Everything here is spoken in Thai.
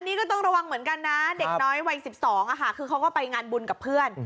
นี่ก็ต้องระวังเหมือนกันนะเด็กน้อยวัย๑๒คือเขาก็ไปงานบุญกับเพื่อน